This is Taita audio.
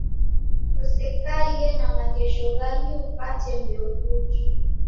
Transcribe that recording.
Osekaie na maghesho ghangi upata mbeu putu